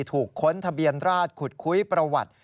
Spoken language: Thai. ค้นทะเบียนราชขุดคุยประวัติ